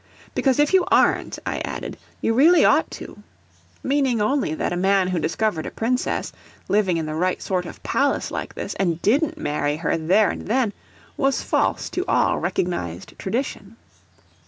"Because if you aren't," I added, "you really ought to": meaning only that a man who discovered a Princess, living in the right sort of Palace like this, and didn't marry her there and then, was false to all recognised tradition.